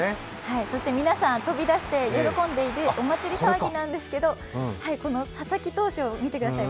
そして皆さん、飛び出して喜んでいるお祭り騒ぎなんですけど、この佐々木投手を見てください。